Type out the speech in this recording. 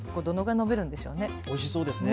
おいしそうですね。